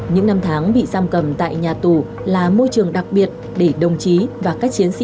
những năm tháng bị giam cầm tại nhà tù là môi trường đặc biệt để đồng chí và các chiến sĩ